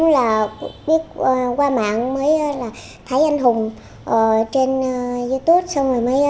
đây là năm ngoái cũng tập này năm ngoái